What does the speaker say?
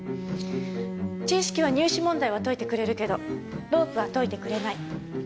知識は入試問題は解いてくれるけどロープは解いてくれない。